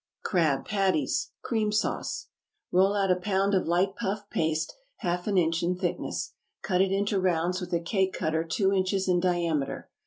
=Crab Patties, Cream Sauce.= Roll out a pound of light puff paste, half an inch in thickness. Cut it into rounds with a cake cutter two inches in diameter.